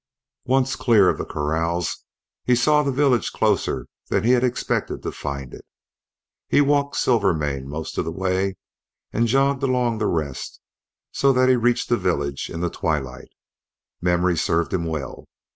Once clear of the corrals he saw the village closer than he had expected to find it. He walked Silvermane most of the way, and jogged along the rest, so that he reached the village in the twilight. Memory served him well.